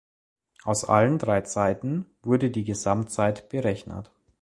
Aus allen drei Zeiten wurde die Gesamtzeit berechnet.